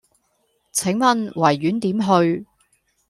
請問維園點去